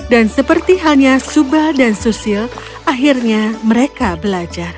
dan seperti hanya subal dan susil akhirnya mereka belajar